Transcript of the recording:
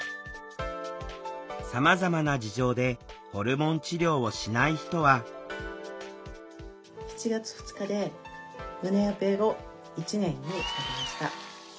さまざまな事情でホルモン治療をしない人は７月２日で胸オペ後１年になりました。